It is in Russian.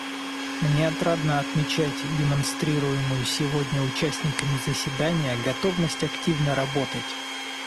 Мне отрадно отмечать демонстрируемую сегодня участниками заседания готовность активно работать.